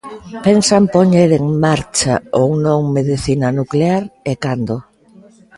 ¿Pensan poñer en marcha ou non Medicina nuclear, e cando?